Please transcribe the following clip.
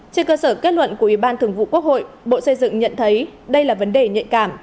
trên cơ sở kết luận của ủy ban thường vụ quốc hội bộ xây dựng nhận thấy đây là vấn đề nhạy cảm